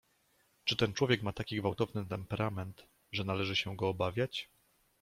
"Czy ten człowiek ma taki gwałtowny temperament, że należy go się obawiać?"